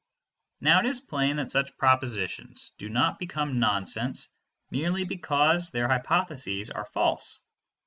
Now it is plain that such propositions do not become nonsense merely because their hypotheses are false.